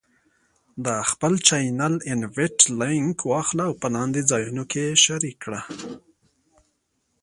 د خپل چینل Invite Link واخله او په لاندې ځایونو کې یې شریک کړه: